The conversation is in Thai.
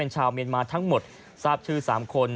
ชาวเมียนมาทั้งหมดทราบชื่อ๓คน